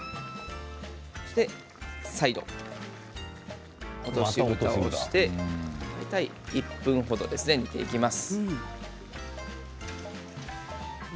そして再度、落としぶたをして大体１分程ですね煮ていきます。